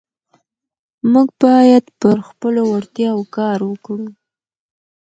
موږ باید پر خپلو وړتیاوو کار وکړو